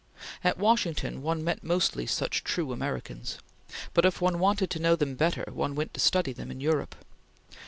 At Washington one met mostly such true Americans, but if one wanted to know them better, one went to study them in Europe.